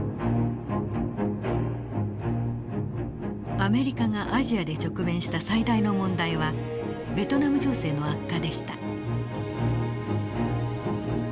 アメリカがアジアで直面した最大の問題はベトナム情勢の悪化でした。